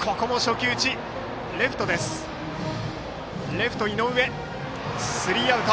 レフト井上がとってスリーアウト。